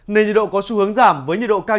nên nhiệt độ có xu hướng giảm với nhiệt độ cao